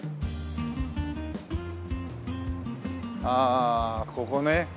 ああここね。